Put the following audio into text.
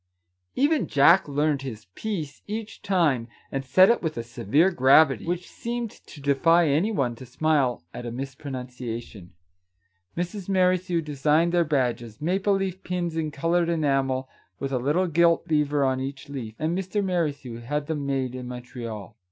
Even Jack learnt his " piece " each time, and said it with a severe gravity which seemed to defy any one to smile at a mispro nunciation ! Mrs. Merrithew designed their badges, — maple leaf pins in coloured enamel, with a little gilt beaver on each leaf, — and Mr. Merrithew had them made in Montreal.